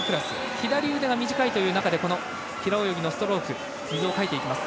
左腕が短いという中で平泳ぎのストローク水をかいていきます。